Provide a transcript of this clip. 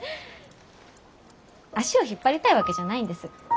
足を引っ張りたいわけじゃないんです。